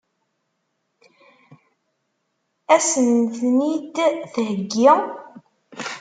Ad sen-ten-id-theggi?